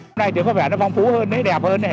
năm nay có vẻ vong phú hơn đẹp hơn